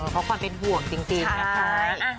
เพราะความเป็นห่วงจริงนะคะ